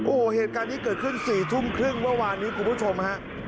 โอ้โหเหตุการณ์นี้เกิดขึ้น๔ทุ่มครึ่งเมื่อวานนี้คุณผู้ชมฮะ